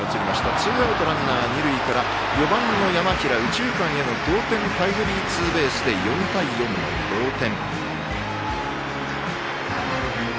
ツーアウト、ランナー、二塁から４番の山平、右中間への同点タイムリーツーベースで４対４の同点。